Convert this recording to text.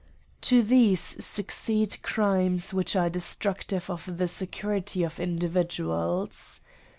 To these succeed crimes which are destructive of the security of individuals.